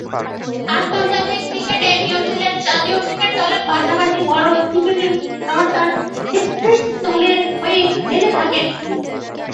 আন্তর্জাতিক ক্রিকেটে নিউজিল্যান্ড জাতীয় ক্রিকেট দলের পাশাপাশি ঘরোয়া ক্রিকেটে নর্দান ডিস্ট্রিক্টস দলের হয়ে খেলে থাকেন।